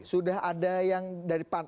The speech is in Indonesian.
sudah ada yang dari pan